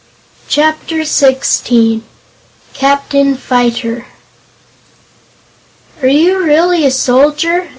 Chapter Sixteen Captain Fyter "Are you really a soldier?"